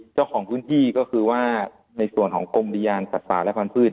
เจ้าของพื้นที่ในกรมริยานศาสตร์และพันธุ์พืช